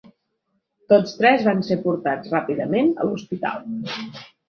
Tots tres van ser portats ràpidament a l'hospital.